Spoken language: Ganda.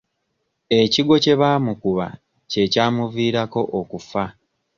Ekigwo kye baamukuba kye kyamuviirako okufa.